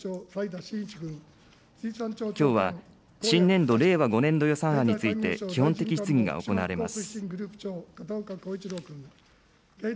きょうは、新年度・令和５年度予算案について基本的質疑が行われます。